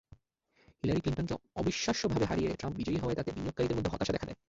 Hillary ক্লিনটনকে অবিশ্বাস্যভাবে হারিয়ে ট্রাম্প বিজয়ী হওয়ায় তাতে বিনিয়োগকারীদের মধ্যে হতাশা দেখা দেয়।